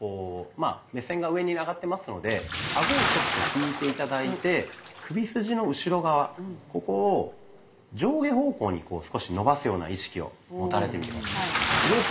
まあ目線が上に上がってますのでアゴをちょっと引いて頂いて首筋の後ろ側ここを上下方向に少し伸ばすような意識を持たれてみて下さい。